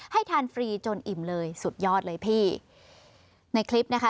ให้ทานฟรีจนอิ่มเลยสุดยอดเลยพี่ในคลิปนะคะ